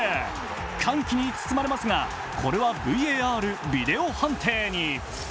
歓喜に包まれますが、これはＶＡＲビデオ判定に。